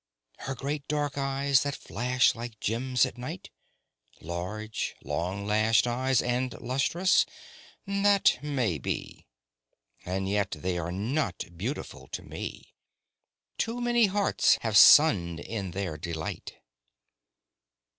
"Her great dark eyes that flash like gems at night? Large, long lashed eyes and lustrous?" that may be, And yet they are not beautiful to me. Too many hearts have sunned in their delight.